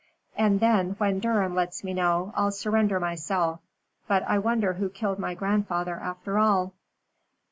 "And then, when Durham lets me know, I'll surrender myself. But I wonder who killed my grandfather after all."